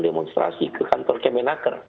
demonstrasi ke kantor kemenaker